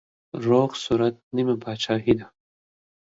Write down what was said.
روغ صورت نيمه پاچاهي ده.